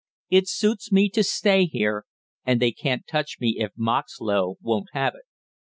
It suits me to stay here, and they can't touch me if Moxlow won't have it.